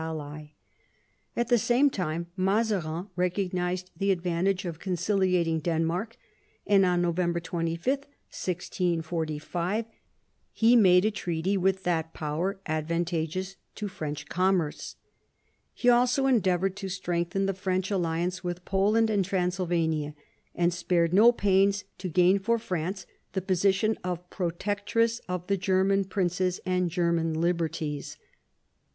I THE EARLY YEARS OF MAZARIN'S MINISTRY 15 At the same time Mazarin recognised the advantage of conciliating Denmark, and on November 25, 1645, he made a treaty with that power advantageous to French commerce. He also endeavoured to strengthen the French alliance with Poland and Transylvania, and spared no pains to gain for France the position of pro tectress of the German princes and German liberties.